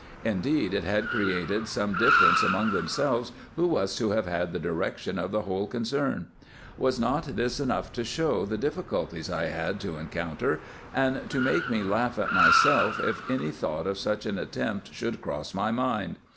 Indeed it had created some difference among themselves who was to have had the direction of the whole concern. Was not this enough to show the difficulties I had to encounter, and to make me laugh at myself, if any thought of such an attempt should cross my mind?